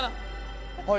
はい。